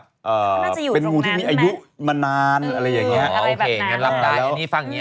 น่าจะอยู่ตรงนั้นเป็นงูที่มีอายุมานานอะไรอย่างนี้